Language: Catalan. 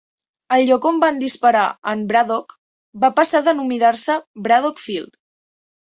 El lloc on van disparar en Braddock va passar a denominar-se Braddock's Field.